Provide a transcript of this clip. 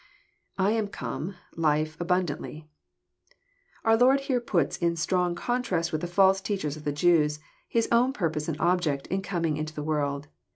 [7am come.„Ufe... abundantly.'] Our Lord here puts in strong contrast with the false teachers of the Jews, His own purpose and object in coming into the world.